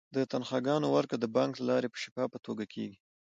د تنخواګانو ورکړه د بانک له لارې په شفافه توګه کیږي.